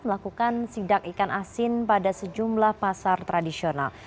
melakukan sidak ikan asin pada sejumlah pasar tradisional